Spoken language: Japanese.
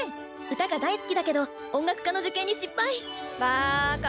歌が大好きだけど音楽科の受験に失敗バーカ。